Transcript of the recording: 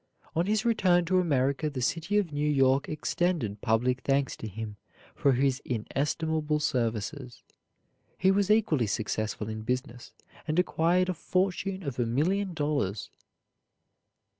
On his return to America the city of New York extended public thanks to him for his inestimable services. He was equally successful in business, and acquired a fortune of a million dollars.